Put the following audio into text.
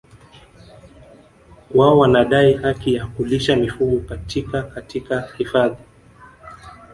Wao wanadai haki ya kulisha mifugo katika katika hifadhi